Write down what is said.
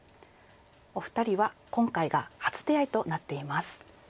お二人は今回が初手合となっています。